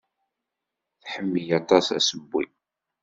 Tḥemmel aṭas assewwi.